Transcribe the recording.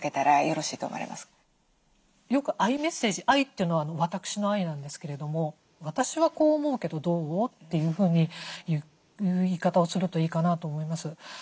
よくＩメッセージＩというのは私のＩなんですけれども「私はこう思うけどどう？」というふうに言う言い方をするといいかなと思います。